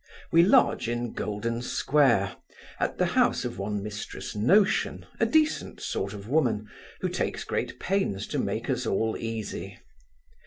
We lodge in Goldensquare, at the house of one Mrs Notion, a decent sort of a woman, who takes great pains to make us all easy.